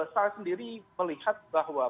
saya sendiri melihat bahwa